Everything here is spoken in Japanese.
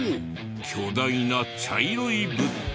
巨大な茶色い物体。